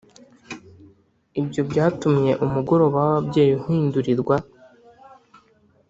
ibyo byatumye umugoroba w’ababyeyi uhindurirwa